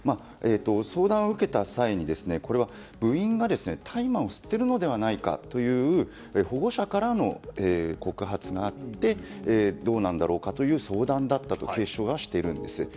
相談を受けた際に、これは部員が大麻を吸っているのではないかという保護者からの告発があってどうなんだろうかという相談だったと警視庁はしているんです。